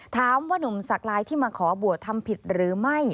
นุ่มสักลายที่มาขอบวชทำผิดหรือไม่